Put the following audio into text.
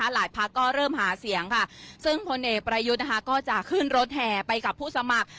พักก็เริ่มหาเสียงค่ะซึ่งพลเอกประยุทธ์ก็จะขึ้นรถแห่ไปกับผู้สมัคร